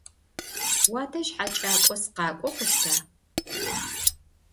Vuadej heç'ak'o sıkhak'o xhuşta?